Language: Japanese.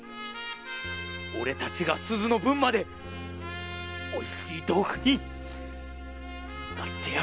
俺たちがすずの分までおいしい豆腐になってやるんだ。